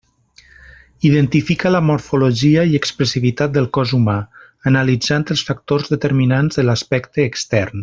Identifica la morfologia i expressivitat del cos humà analitzant els factors determinants de l'aspecte extern.